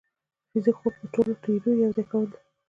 د فزیک خوب د ټولو تیوريو یوځای کول دي.